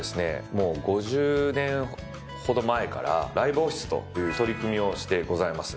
もう５０年ほど前から「ライブオフィス」という取り組みをしてございます。